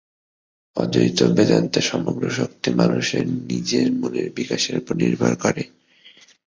অদ্বৈত বেদান্তের সমগ্র শক্তি মানুষের নিজের মনের বিকাশের উপর নির্ভর করে।